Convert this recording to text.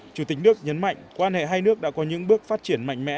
chủ tịch nước nhấn mạnh quan hệ hai nước đã có những bước phát triển mạnh mẽ